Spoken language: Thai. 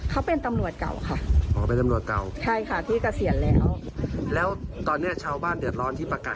เขาเป็นตำรวจเก่าค่ะ